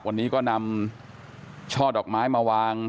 วันนี้ก็นำช่อดอกไม้มาวาง